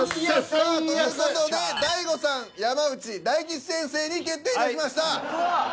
さあという事で大悟さん山内大吉先生に決定いたしました。